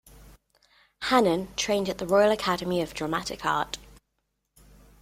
Hannen trained at the Royal Academy of Dramatic Art.